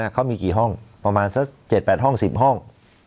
เขามีกี่ห้องประมาณสัก๗๘ห้อง๑๐ห้อง